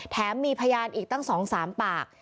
แถมมีพยานอีกตั้งสองสามปาก